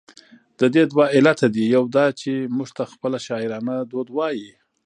د دې دوه علته دي، يو دا چې، موږ ته خپله شاعرانه دود وايي،